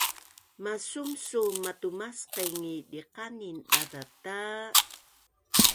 masumsum matumasqing i diqanin daza ta